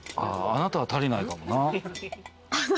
「あなたは足りないかも」